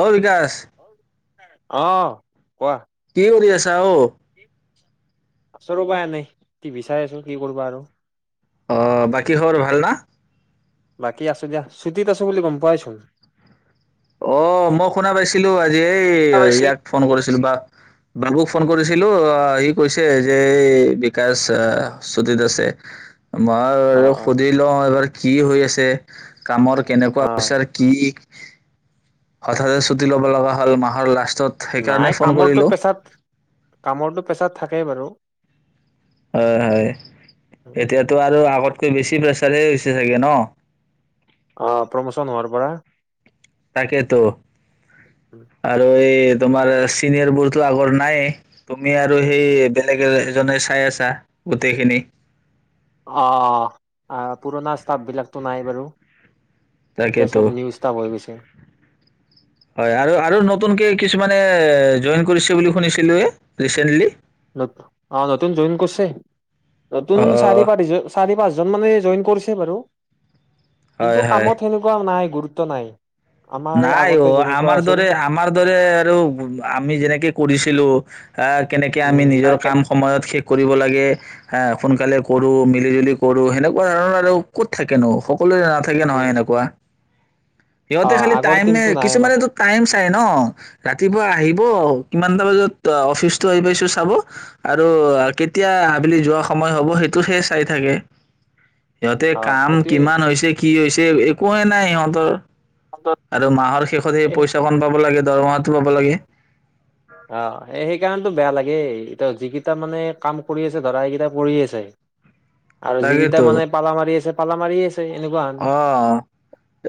অ', বিকাশ অ', কোৱা কি কৰি আছা অ', আচো ৰ পৰা নাই টিভি চাই আছো কি কৰিবা আৰু অ বাকী হ ভাল ন বাকী আছো দিয়া ছুটীত আছো বুলি ক'ম পোৱাই চোন। অ মই শুনা পাইছিলো আজি এই ইয়াক ফোন কৰিছিলো বা বাবুক ফোন কৰিছিলো আহ সি কৈছে যে এই বিকাশ আহ শ্ৰুতি দাসে মই অ আৰু অ সুধি লওঁ কি হৈ আছে কামৰ কেনেকুৱা অ পচাৰ কি সাত হাজাৰ ছুটি লব লগা হ'ল মাহৰ লাস্তত সেই নাই কাৰণে ফোন কামৰটো কৰিলো। পেছাত কামৰটো পেছাত থাকেই বাৰু হয়, হয় এতিয়াতো আৰু আগত কৈ বেছি প্ৰেছাৰ হৈছে চাগে ন অ প্ৰমোচন হোৱাৰ পৰা তাকেতো আৰু ঐ তোমাৰ চিনিয়ৰ বোৰতো আগৰ নাইে তুমি আৰু সেই বেলেগ এজনে চাই আছা গোটেইখিনি অ', পুৰণা ষ্টাফ বিলাকতো নাই বাৰু এতিয়া তাকেতো চব নিউ ষ্টাফ হৈ গৈছে হয় আৰু আৰু নতুনকে কিছুমানে জইন কৰিছে বুলি শুনিছিলো এ ৰিচেন্টলি আহ নতুন জইন কৰিছে অ নতুন চাৰে পাৰিছ জন চাৰি পাঁচজন মানে জইন কৰিছে বাৰু হয় কিন্তু হয় কামত সেনেকুৱা নাই গুৰুত্ব নাই আমাৰ নাই অ আগতে যেনেকুৱা আমাৰ আছিল দৰে আমাৰ দৰে আৰু আমি যেনেকে কৰিছিলো আহ কেনেকে উম, আমি নিজৰ কাম সময়ত শেষ কৰিব লাগে হ সোনকালে কৰো মিলি জুলি কৰো সেনেকুৱা ধৰণৰ আৰু ক'ত থাকেন সকলোৱ নাথাকে উম, নহয় এনেকুৱা অ আগৰ নে টিমটো নাই আমাৰ। কিছুমানে টো টাইম চাই ন ৰাতিপুৱা আহিব কিমানটা বজাত অফিচতো আহি পাইছো চাব আৰু কেতিয়া আবেলি যোৱা সময় হব সেইটোতহে চাই থাকে সিহঁতে অ', কাম সেইটোৱে কিমান হৈছে কি হৈছে? একোৱেই নাই সিহঁতৰ অত আৰু মাহৰ শেষত সেই পইচা কণ পাব লাগে। দৰমহাটো পাব লাগে। সেই ত', যিকেইটা, মানে, কাম কৰি আছে। ধৰা, সেইকেইটা কৰিয়েই আছে আৰু যিকিটা, তাকেতো মানে, পালা মাৰি আছে পালা মাৰি আছে।। এনেকুৱাহান অ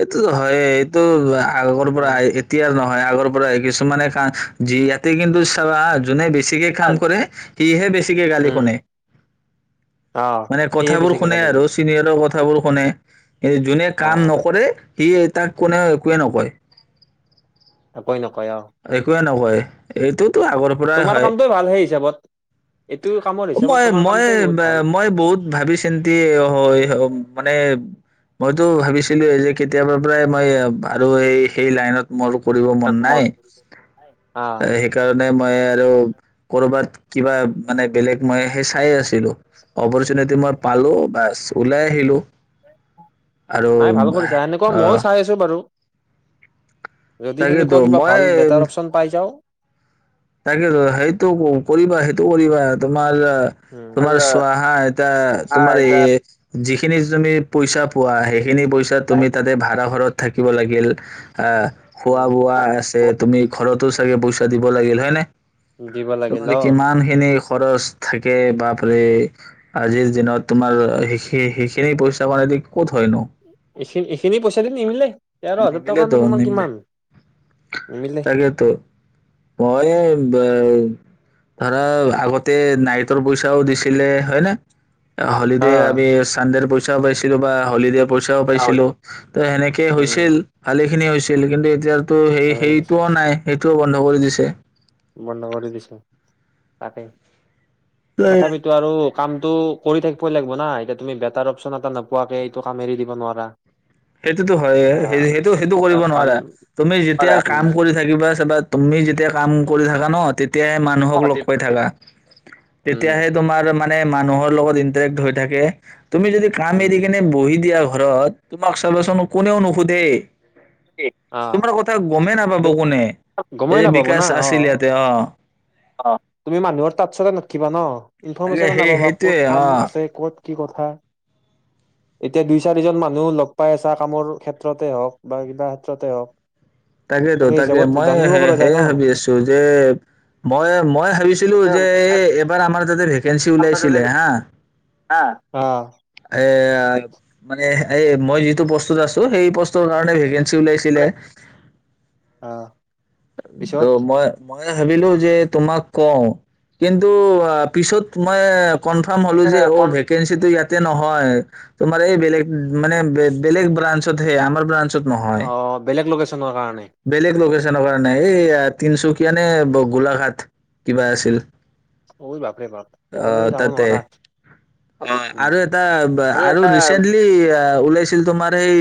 এইটোতো হয়েই। তো।। আগৰ পৰা উম। আহ এতিয়াৰ নহয়। হয়, আগৰ পৰা হয়। কিছুমানে কা [unintelligible] যি ইয়াতে। কিন্তু চাবা, হা, যোনে বে বেছিকে কাম কৰে। সিহে বেছিকে গালি উম, শুনে। অ', মানে, সেয়ে কথাবোৰ বেছিকে শুনে গালি আৰু চিনিয়ৰৰ কথা কথাবোৰ শুনে।। এই যোনে কাম অ', নকৰে সিয়ে তাক কোনেও একোৱে নকয় হয় নক একোৱেই নকয়। এইটোতো আগৰ পৰাই তোমাৰ হয় কামটোৱে ভাল সেই হিচাপত এইটো কামৰ হিচাপত তোমাৰ কামটোৱে বহুত ভাল। মইতো ভাবিছিলোঁ যে কেতিয়াবা পৰাই মই আৰু এই, সেই লাইনত মোৰ কৰিব মন নাই অ', সেইকাৰণে মই আৰু কৰবাত কিবা মানে বেলেগ মই সেই চাই আছিলোঁ। অপৰচুনিটি মই পালোঁ। বাচ, ওলাই আহিলোঁ নাই ভাল কৰিছা, এনেকুৱা আহ ময়ো চাই আছো বাৰু। যদি তাকেতো সেনেকুৱা কিবা মই ভাল বেটাৰ অপশ্চন পাই যাওঁ।। তাকেটো সেইটো কৰিবা সেইটো কৰিবা তোমাৰ।। অ', উম তোমাৰ চোৱা হা এতিয়া তোমাৰ এই যিখিনি তুমি পইচা পোৱা আহে সেইখিনি পইচা তুমি তাতে ভড়া ঘৰত থাকিব লাগিল।। অ খোৱা বোৱা আছে তুমি ঘৰতো।। চাগে পইচা দিব লাগিল হ হয় নে? উম দিব লাগিল তোমাক অ যিমান খিনি খৰচ থাকে বাপৰে আজিৰ দিনত তোমাৰ সেইখি সেইখিনি পইচা য়েদি ক'ত হয়।। এইখিনি এইখিনি পইচা দি নিমিলে। তেৰ হাজাৰ টকানো নিমিলেতো তোমাৰ নিমিলে কিমান নিমিলে তাকেতো মই [unintelligible] ধৰা আগতে নাইটৰ পইচাও দিছিলে হয় নে হলিডে হা আমি চানদেৰ পই পাইছিলো বা হলিডে পইচাও পাইছিলো ত'সেনেকে উম হৈছি ভালেখিনি হৈছিল কিন্তু এতিয়া তো সেই নালাগে সেইটোও নাই। সেইটোও বন্ধ কৰি দিছে। বন্ধ কৰি দিছে তাকে। তো তথাপিতো আৰু কামটো কৰি থাকিবই লাগিব না এতিয়া তুমি বেটাৰ অপশচন এটা নোপোৱাকে এইটো কাম এৰি দিব নোৱাৰা। সেইটোতো হয়েই, আহ সেইটো, সেইটো কৰিব কাম নোৱাৰা তুমি যেতিয়া কাম উম কৰি থাকিবা চাবা তুমি যেতিয়া কাম কৰি থাকা ন? তে তেতিয়াহে মানুহক লগপাই থকা উম তেতিয়াহে তোমাৰ মানে মানুহৰ লগত ইন্টাৰেক্ট হৈ থাকে। তুমি যদি কাম এৰি উম কিনে বহি দিয়া ঘৰত তোমাক চবাচোন কোনেও নুসোধে আহ তোমাৰ কথা গমে না গমেই নাপাব না আছিল অ', ইয়াতে অ', তুমি মানুহৰ তাত [unintelligible] অ'। তাকে ইনফৰৰ্মেশ্যন সেই নাপাব ক'ত সেইটোৱে কাম অ আছে ক'ত কি কথা এতিয়া দুই, চাৰিজন মানুহ লগ পাই আছা কামৰ ক্ষেত্ৰতে হওঁক বা কিবা ক্ষেত্ৰতে হওঁক তাকেতো তাকে মই স সেয়ে ভাবি আছো যে, মই, মই ভাবিছিলো যে, এই এবাৰ আমাৰ যাতে ভে কেঞ্চি ওলিয়াইছিলে হা। আহ মানে মই যিটো পোষ্টত আছো সেই পোষ্টৰ ভেকেন্সী ওলাইছিলে অ'। ত মই মই ভাবিলো যে, তোমাক কওঁ কিন্তু পিছত মই কনফাৰ্ম হ'লো যে, অ', ভেকেঞ্চিটো ইয়াত নহয়, তোমাৰ এই বেলেগ মানে বেলেগ ব্ৰাঞ্চতহে আমাৰ ব্ৰাঞ্চ অ', বেলেগ লোকেচ ন কাৰণে নাই এই তিনচুকীয়া নে গোলাঘাট কিবা আছিল [unintelligible] সেইফালে অ', যাব তাতে নোৱাৰা অ', উম আৰু এটা আৰু ৰিচেন্টলি আ, ওলাইছে কিন্তু তোমাৰ সেই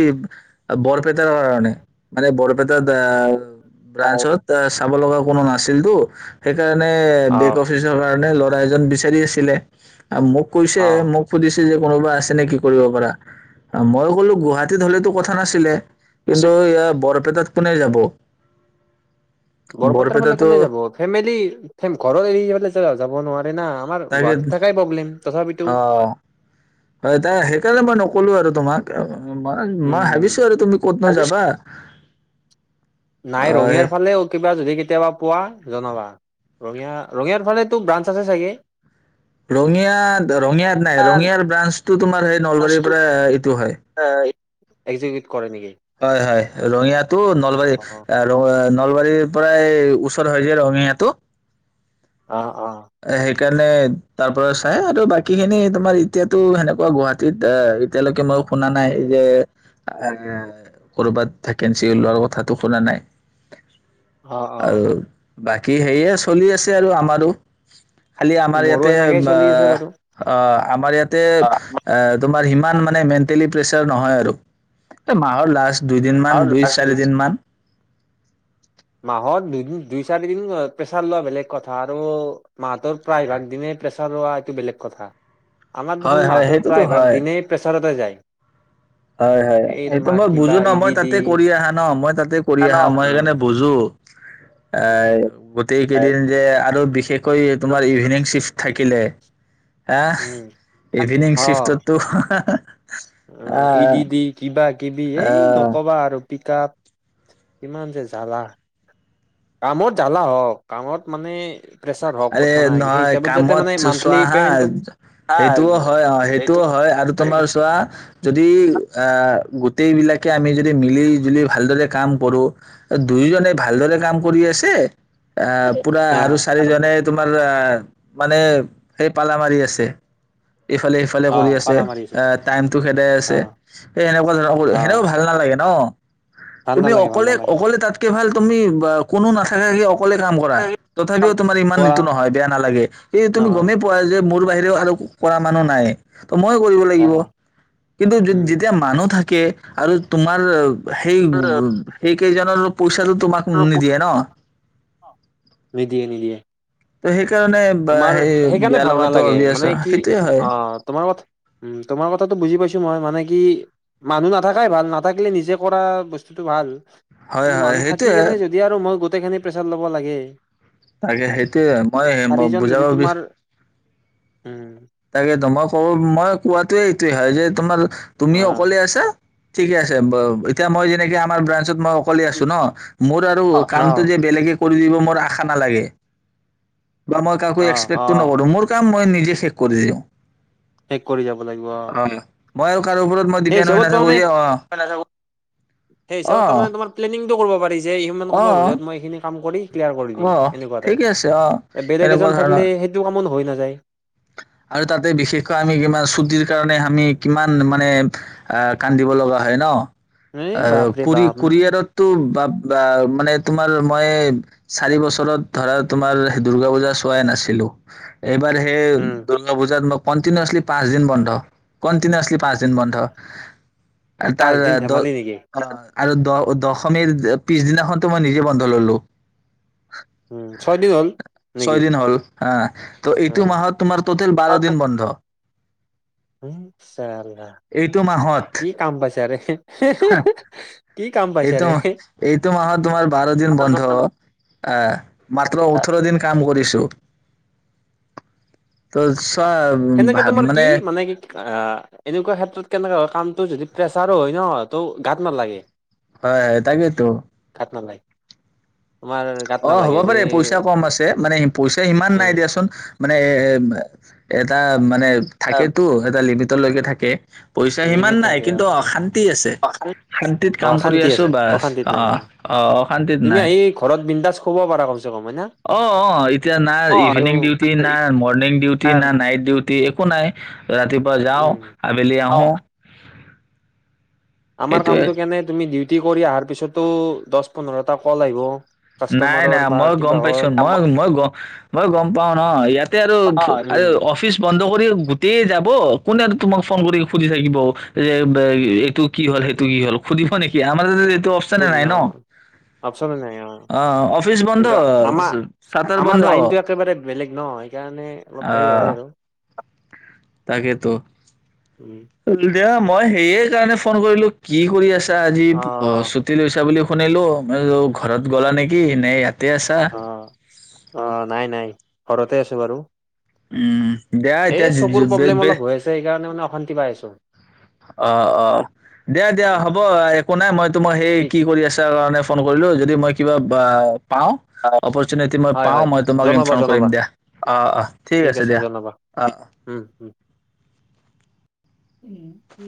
বৰপেটাৰ কাৰণে মানে বৰ টাত ব্ৰাঞ্চত চাব লগা কোনো নাছিল [unintelligible] সেইকাৰণে অ বেক অফিচৰ কাৰণে ল আয়োজন বি বিচাৰি আছিলে মোক কৈছে অ মোক সুধিছ যে কোনোবা আছে নে কি কৰিব পাৰ মই ক'লো গুৱাহাটীত হলেতো কথা নাছিলে আছে কিন্তু এ বৰ তাত কোনে যাব বৰপেটাৰ ফালে বৰপেটাতো কোনে যাব ফেমেলিৰ এ ঘৰৰ এৰি ফালে যাব নোৱাৰাৰে ন আমাৰ তাকে গুৱাহাটীত থাকাই প্ৰব্লেম তথাপিতো অ হয় ত সেইকাৰণে মই নকলো আৰু তোমাক মই মই উম ভাবিছো আৰু তুমি ক'ত নো যাবা অ নাই সেই ৰঙিয়াৰ ফালেও কিন্তু যদি কেতিয়াবা পোৱা জনাবা ৰঙিযা ৰঙিয়াৰ ফালেতো ব্ৰাঞ্চ আছে চাগে ৰঙিয়াত ৰঙিয়াত নাই ৰঙিয়াৰ ব্ৰাঞ্চটো তোমাৰ সেই নলবাৰীৰ পৰা এইটো হয় এই যি কৰে নেকি ৰঙিয়া টো অ নলবাৰী এ ৰ নলবাৰীৰ পৰাই ওচৰ হৈ যে ৰঙিয়াটো অ অ সেইকাৰণে তাৰ পৰা চাই আৰু বাকী খিনি তোমাৰ এতিয়াতো সেনেকোৱা গুৱাহাটীত এ এতিয়ালৈকে মই শুনা নাই যে এ কৰবাত ভেকেঞ্চি ওলোৱাৰ কথাটো শুনা নাই অ অ আৰু বাকী সেয়ে চলি আছে আৰু আমাৰো খালি আমাৰ মোৰো ইয়াতে সেনেকেই চলি আছে বাৰু অ অ আমাৰ ইয়াত [unintelligible] তোমাৰ হি কাম মানে মেনটেলি প্ৰেচেছাৰ নহয় আৰু মাহৰ লাষ্ট দুইদিনমান দুই চাৰি দিন মান মাহত দুদিন দুই চাৰি দিন প্ৰেছাৰ লোৱা বেলেগ কথা আৰু মাহ তৰ প্ৰায়ভাগ দিনে প্ৰেছ ৰোৱা এইটো বেলেগ কথা আমাৰ হয় দেখোন হয় মাহতৰ সেইটোতো প্ৰায়ভাগ হয় দিনেই প্ৰেছাৰতে যায় হয় হয় এই এইটো তোমাৰ মই কিবা বুজো ন ই ডি মই ডি তাতে কৰি আহা ন মই তা কৰি আহা উম মই সেইকাৰণে বুজো হয় উম এ গোটেই কেইদিন যে আৰু বিশ বিশেষকৈ তোমাৰ ইভিনিং শ্বিফ্ট থাকিলে হা উম ইভিনিং শিফ্টততো অ এই য দি কিিবা কিবি এই আহ নক'বা আৰু কিতাক ইমান যে জ্বালা কামত জালা হওক কামত মানে প্ৰেছাৰ হওক আৰে কথা নাই সেই নহয় হিচাপত যাতে মানে কামত মান্থলি চোৱা হা পেমেন্টটো হা সেইটোও হয় অ এইটো সেইটোও হয় আৰু তোমাৰ চোৱা যদি আহ গোট গোতেই বিলাকে আমি যদি মিলি জুলি ভালদৰে কাম কৰো দুয়োজনে ভালদৰে কাম কৰি আছে অ পুৰা আৰু চাৰিজন তোমাৰ মানে সেই পাল মাৰি আছে ইফালে সিফালে অ কৰি আছে পালা মাৰিছে এ টাইম টো খেদাই অ আছে সেই সেনেকুৱা অ ধৰণৰ সেনেও ভাল নালাগে ন ভাল তুমি নালাগে ভাল অকলে নালাগে অকলে তাতকে ভাল তুমি কোনো নথকাকে অকলে কাম কৰা তথাপিও তোমাৰ ইমান কৰা এইটো নহয় বেয়া নালাগে এই তুমি গম নহয় পোৱা যে মোৰ বাহিৰেও আৰু কৰা মানুহ নাই ত মই কৰিব অ লাগিব কিন্তু উম যেতিয়া মানুহ থাকে কে আৰু তোমাৰ সেই উ সেই কেইজনৰো পইচাটো তোমাক নি দিয়ে ন নি দিয়ে নি দিয়ে তে সেই- তৰকাৰণে বা সেই, বিয়া ভাল লগাতো নালাগে অভিয়াছ। অ, সেইটোৱে হয়। ম তোমাৰ কথাটো বুজি পাইছোঁ মই। মানে কি মানুহ নাথাকাই ভাল, নাথাকিলে নিজে কৰা বস্তুটো ভাল। হয় কিন্তু হয় মানুহ থাকি সেইটোয়ে কেনে যদি আৰু মই গত- টেইখিনি প্ৰেছাৰ ল'ব লাগে তাকে সেইটোযৱে। মই- ম মই চাৰিজন যদি বুজাব তোমাৰ বিচ- উম। তাকেইতো। মই ক'ব মই কোৱাটোৱেই এইটো হয় যে তোমালোক তুমি অকলে আছা? ঠিকে আছে। ব এতিয়া মই যেনেকে আমাৰ ব্ৰান- চত মই অকলে আছোঁ ন, মূৰ আৰু অ অ কামটো যে বেলেগে- কৰি দিব, মোৰ আশা নালাগে। বা মই কাকো অ অ এক্সপেক্টো নকৰোঁ। মোৰ কাম মই নি- ই শেষ কৰি দিওঁ। শেষ কৰি যাব লাগিব, অ, অঁ। মই কাৰো ওপৰত মই সেই ডিপেণ্ড হৈ হিচাপত নাথাকো তাৰমানে, যে অ [unintelligible] সেই অ হিচাপত তাৰমানে তোমাৰ প্লেনিংটো কৰিব পাৰি যে, ইমান অ সময় বজাত মই এইখিনি কাম কৰি- ক্লিয়াৰ কৰি দিম, অ এনেকুৱা ঠিকে তাইপ। আছে অ এ বেলেগ এনেকুৱা এজন ধৰণৰ থাকিলে সেইটো কামো ন- হৈ নাযায়। আৰু তাতে বিশেষকৈ আমি কিমান, চুটিৰ কাৰণে আমি কিমান মানে অহ, কান্দিব লগা হয় ন? এই আৰু বাপৰে বাপ উম কুৰি-কুৰিয়াৰততো বা বা, মানে, তোমাৰ মই চাৰি বছৰত, ধৰা, তোমাৰ সেই দুৰ্গা পূজা চোৱাই নাছিলোঁ। এইবাৰ সেই উম। দুৰ্গা পূজাত মই কণ্টিনিউৱাছলি পাঁচ দিন বন্ধ। কণ্টিনিউৱাছলি পাঁচ দিন বন্ধ আৰু তাৰ পাঁচ দিন দহ, ধেমালি নেকি অ', আৰু দহ অ', দশমীৰ এ, পিছদিনাখনতো মই নিজে বন্ধ ল'লোঁ। উম ছয় দিন হ'ল নেকি ছয়দিন হ'ল আ। ত', অ। এইটো মাহত তোমাৰ টোটেল বাৰ দিন বন্ধ। এইটো মাহত ! ! ! ! ! ! ! ! ! ! [inaudible] পাইছা এইটো, ৰে। এইটো মাহত তোমাৰ বাৰ দিন বন্ধ। আ, মাত্ৰ ওঠৰ দিন কাম কৰিছোঁ। ত', [unintelligible] সেনেকে তোমাৰ কি মানে কি আহ এনেকুৱা ক্ষেত্ৰত কেনেকা হয়? কামটো যদি প্ৰেছাৰো হয় ন, ত', গাত নালাগে। হয় হয়, তাকেইতো [inaudible] গাত অ, হ'ব নালাগে যে পাৰে। পইচা কম আছে। মানে, পইচা সিমান নাই উম দিয়াচোন মানে এ এটা মানে, থাকেতো এটা লিমিট লৈকে থাকে পইচা সিমান লিমিট নাই। থাকে কিন্তু অ', শান্তি আছে। শান্তিত অ কাম কৰি শান্তি আছোঁ আছে বাছ। অশান্তিত নাই অ', অ', অশান্তিত তুমি নাই। আহি ঘৰত বিন্দাজ শুব পাৰা কমচে কম হয় না? অ', অ', এতিয়া না ইভিনিং ডিউটি, না অ মৰ্ণিং ডিউটি, না নাইট ডিউটি। একো নাই ৰাতিপুৱা যাও উম, আবেলি আহো আমাৰ সেইটোৱে কামটো কেনে, তুমি ডিউ খেতি কৰি অহাৰ পিছতো দহ পোন্ধৰটা কল আহিব নাই, কাষ্টমাৰৰ নাই, বা মই গ'ম কিবাহৰ পাইছোঁ, মই-মই গ মই গ'ম পাওঁ ন, ইয়াত এতিয়া আৰু ফু, আৰু উম, অফিচ বন্ধ কৰি গোটেই যাব। কোনে আৰু তোমাক ফোন কৰি সুধি থাকিব যে, য়ে, ব, এ, এইটো কি হ'ল সেইটো কি হ'ল, সুধিব নেকি? আমাৰ [unintelligible] নাই শূন্য। ন আপচনয়ে নাই। অ'। হম। অফিচ বন্ধ কিন্তু আমাৰ, চাটাৰ আমাৰ বন্ধ লাইনটো একেবাৰে বেলেগ ন, সেইকাৰণে অলপ হেই আহ হয় আৰু। তাকেতো। উম, [unintelligible] মই সেইয়ে কাৰণে ফোন কৰিলো। কি কৰি আছ [unintelligible] আজি অ', ছুটি লৈছা বুলি সু ফুনিলো ঘৰত গ'লা নেকি ন ইয়াত অ'। অ', নাই, নাই। ঘৰতে আছো বাৰু উম দিয়া এই চকুৰ এতিয়া প্ৰব্লেম ব অলপ হৈ আছে সেইকাৰণে [unintelligible] অ'-অ, দিয়া- অ দিয়া হ'ব, একো নাই, মই তোমাৰ সেই ঠিক কি কৰি আছা কাৰণে ফোন কৰিলোঁ যদি মই কিবা বা পাওঁ অপৰচুনিটি মই হয়, পাওঁ হয় মই তোমাক জনাবা ইনফৰ্ম কৰিম জনাবা দিয়া অঁ অঁ ঠিক আছে দিয়া অঁ। উম, উম উ